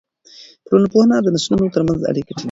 ټولنپوهنه د نسلونو ترمنځ اړیکه ټینګوي.